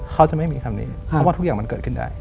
เขาจะไม่มีคำนี้เพราะว่าทุกอย่างมันเกิดขึ้นได้